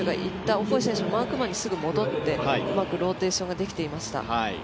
オコエ選手マークマンにすぐに戻ってうまくローテーションできていました。